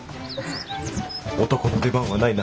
男の出番はないな。